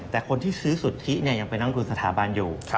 แต่คนที่ซื้อสุทธิยังเป็นนักลงทุนสถาบันอยู่